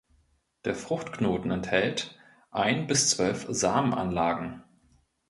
Der Fruchtknoten enthält ein bis zwölf Samenanlagen.